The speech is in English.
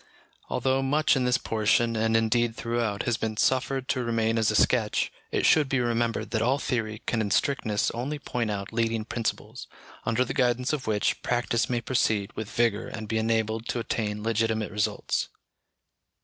Although much in this portion, and indeed throughout, has been suffered to remain as a sketch, it should be remembered that all theory can in strictness only point out leading principles, under the guidance of which, practice may proceed with vigour and be enabled to attain legitimate results.